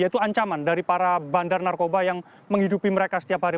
yaitu ancaman dari para bandar narkoba yang menghidupi mereka setiap hari